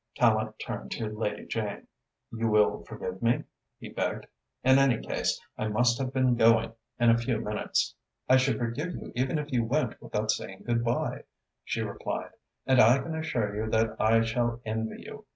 Tallente turned to Lady Jane. "You will forgive me?" he begged. "In any case, I must have been going in a few minutes." "I should forgive you even if you went without saying good by," she replied, "and I can assure you that I shall envy you.